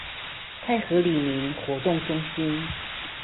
泰和里民活動中心